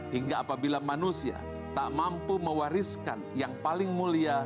hingga apabila manusia tak mampu mewariskan yang paling mulia